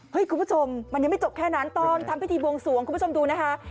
คุณผู้ชมมันยังไม่จบแค่นั้นตอนทำพิธีบวงสวงคุณผู้ชมดูนะคะ